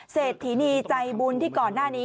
เศรษฐีนีใจบุญที่ก่อนหน้านี้